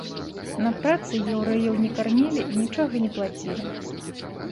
На працы яўрэяў не кармілі і нічога не плацілі.